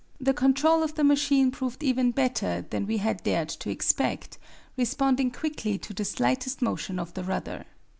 The control of the machine proved even better than we had dared to expect, responding quickly to the slightest motion of the rudder.